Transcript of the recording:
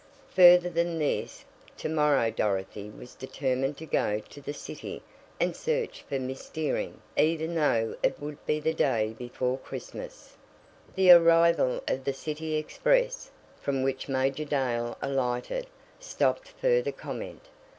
Further than this, to morrow Dorothy was determined to go to the city and search for Miss Dearing, even though it would be the day before Christmas. The arrival of the city express, from which Major Dale alighted, stopped further comment.